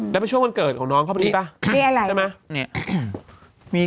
แล้วช่วงวันเกิดของน้องเข้าไปดีป่ะได้ไหม